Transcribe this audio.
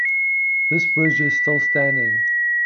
This bridge is still standing.